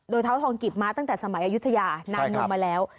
โดยเท้าทองกิบมาตั้งแต่สมัยอายุทยานานลงมาแล้ว